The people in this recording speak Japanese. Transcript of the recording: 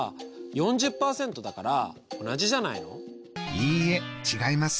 いいえ違います。